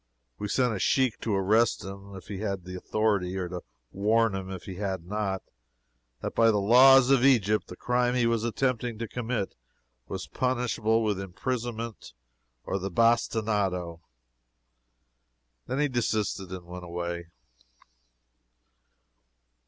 We sent a sheik to arrest him if he had the authority, or to warn him, if he had not, that by the laws of Egypt the crime he was attempting to commit was punishable with imprisonment or the bastinado. Then he desisted and went away.